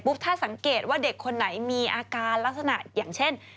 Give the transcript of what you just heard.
ถ้าสังเกตว่าเด็กคนไหนมีอาการลักษณะอย่างเช่น